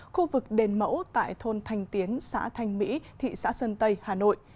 khu vực đền mẫu tại thôn thanh tiến xã thanh mỹ thị xã sơn tây hà nội